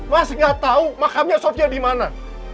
mas gak tau makamnya sofia dimana